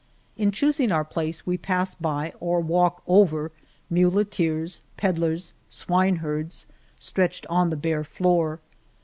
In choosing our place we pass by or walk over muleteers, pedlers, swine herds, stretched on the bare floor.